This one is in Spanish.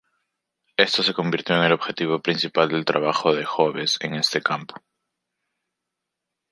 Esto se convirtió en el objetivo principal del trabajo de Hobbes en este campo.